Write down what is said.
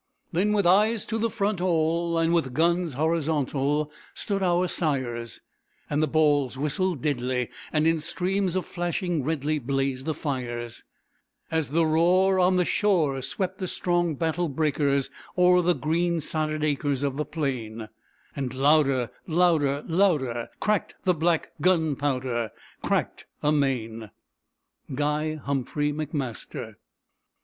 Then with eyes to the front all, And with guns horizontal, Stood our sires; And the balls whistled deadly, And in streams flashing redly Blazed the fires; As the roar On the shore Swept the strong battle breakers o'er the green sodded acres Of the plain; And louder, louder, louder cracked the black gunpowder, Cracked amain! Guy Humphrey McMaster.